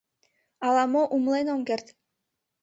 — Ала-мо умылен ом керт.